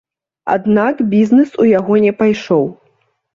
Аднак бізнес у яго не пайшоў.